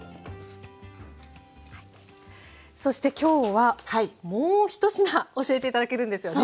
そしてきょうはもう一品教えて頂けるんですよね？